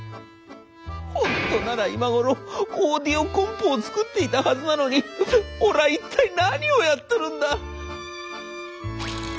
ホントなら今頃オーディオコンポを作っていたはずなのに俺は一体何をやってるんだ」。